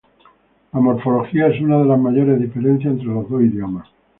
La morfología es una de las mayores diferencias entre los dos idiomas.